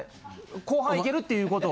後半いけるっていうこと。